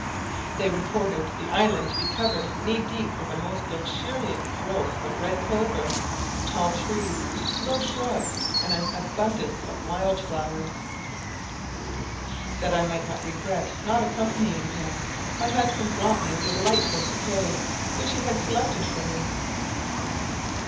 They reported the island to be covered knee deep with a most luxuriant growth of red clover, tall trees, low shrubs, and an abundance of wild flowers. That I might not regret not accompanying him, my husband brought me a delightful bouquet, which he had selected for me.